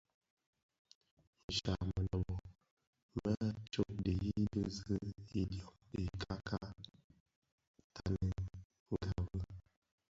Nshya mënöbö më tsô dhiyis di zi idyom ika tanèngabi.